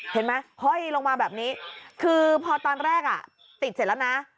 ห้อยลงมาแบบนี้คือพอตอนแรกอ่ะติดเสร็จแล้วนะ